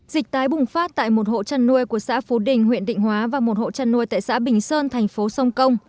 dịch tái bùng phát tại một hộ chăn nuôi của xã phú đình huyện định hóa và một hộ chăn nuôi tại xã bình sơn thành phố sông công